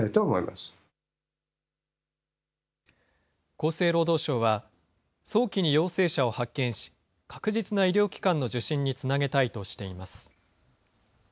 厚生労働省は、早期に陽性者を発見し、確実な医療機関の受診につなげたいとしています。